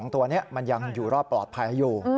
ตัวนี้มันยังอยู่รอดปลอดภัยอยู่